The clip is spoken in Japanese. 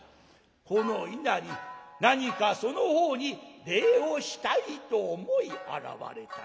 「この稲荷何かそのほうに礼をしたいと思い現れたり。